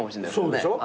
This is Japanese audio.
そうでしょ？